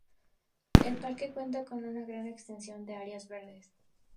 El parque cuenta con una gran extensión de áreas verdes.